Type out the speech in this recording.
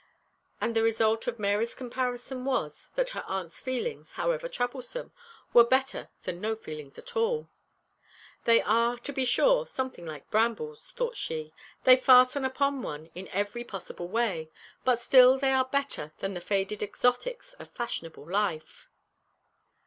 And the result of Mary's comparison was, that her aunts' feelings, however troublesome, were better than no feelings at all. "They are, to be sure, something like brambles," thought she; "they fasten upon one in every possible way, but still they are better than the faded exotics of fashionable life."